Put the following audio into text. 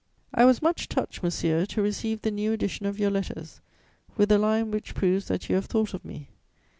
"I was much touched, monsieur, to receive the new edition of your Letters, with a line which proves that you have thought of me.